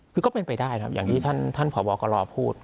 คือก็เป็นไปได้นะครับอย่างที่ท่านผ่าวอกลอพูด